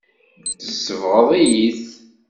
Tesbeɣ-iyi-t.